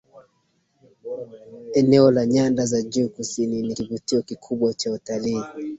eneo la nyanda za juu kusini ni kivutio kikubwa cha utalii